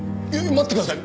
待ってください。